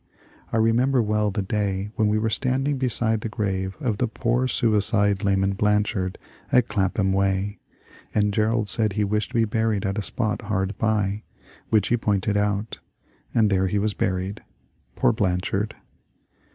I remember well the day when we were standing beside the gprave of the poor suicide Laman Blanchard at Clapham Way, and Jerrold said he wished to be buried at a spot hard by, which he pointed out ; and there he was buried. Poor Blanchard